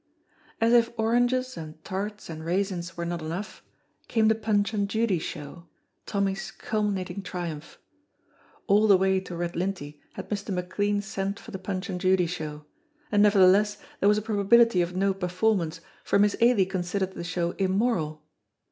As if oranges and tarts and raisins were not enough, came the Punch and Judy show, Tommy's culminating triumph. All the way to Redlintie had Mr. McLean sent for the Punch and Judy show, and nevertheless there was a probability of no performance, for Miss Ailie considered the show immoral.